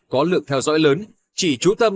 có lượng theo dõi lớn chỉ trú tâm